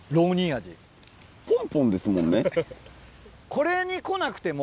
これに来なくても。